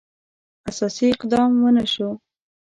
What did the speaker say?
اساسي اقدام ونه شو.